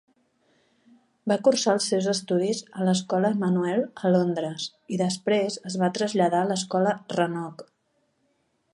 Va cursar els seus estudis a l'escola Emanuel a Londres i després es va traslladar a l'escola Rannoch.